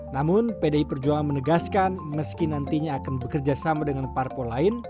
namun pdi perjuangan menegaskan meski nantinya akan bekerja sama dengan parpol lain